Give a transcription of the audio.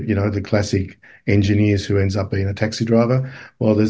kamu tahu pengajar klasik yang akhirnya menjadi seorang pemandu taxi